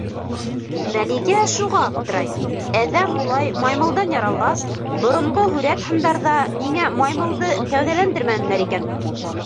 Мәликә шуға аптырай: әҙәм улай маймылдан яралғас, боронғо һүрәт-һындарҙа ниңә маймылды кәүҙәләндермәнеләр икән?